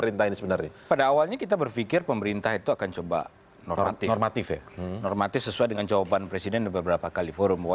nanti kita akan lanjutkan setelah jadwal berikut